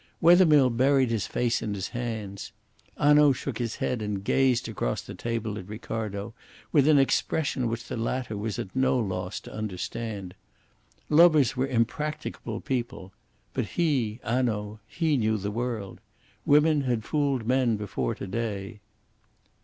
Wethermill buried his face in his hands. Hanaud shook his head and gazed across the table at Ricardo with an expression which the latter was at no loss to understand. Lovers were impracticable people. But he Hanaud he knew the world. Women had fooled men before to day.